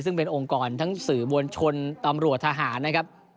ซึ่งเป็นองค์กรทั้งสื่อมวลชนตำรวจทหารนะครับ